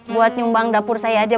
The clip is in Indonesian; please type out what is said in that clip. buat nyumbang dapur saya aja